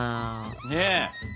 ねえ。